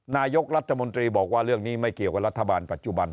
นายกรัฐมนตรีบอกว่าเรื่องนี้ไม่เกี่ยวกับรัฐบาลปัจจุบัน